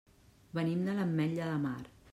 Venim de l'Ametlla de Mar.